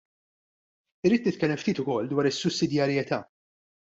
Irrid nitkellem ftit ukoll dwar is-sussidjarjetà.